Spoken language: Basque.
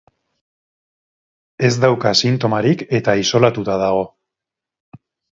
Ez dauka sintomarik eta isolatuta dago.